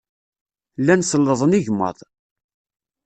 Llan sellḍen igmaḍ.